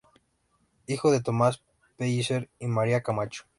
Hijo de Tomás Pellicer y María Camacho.